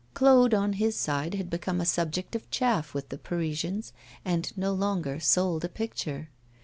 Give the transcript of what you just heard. Claude, on his side, had become a subject of chaff with the Parisians, and no longer sold a picture.